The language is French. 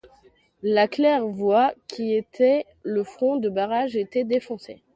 La claire-voie, qui était le front du barrage, était défoncée.